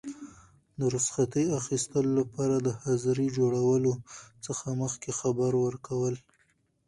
د رخصتي اخیستلو لپاره د حاضرۍ جوړولو څخه مخکي خبر ورکول.